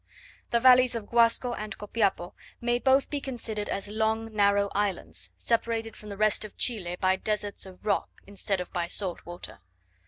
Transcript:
The valleys of Guasco and Copiapo may both be considered as long narrow islands, separated from the rest of Chile by deserts of rock instead of by salt water.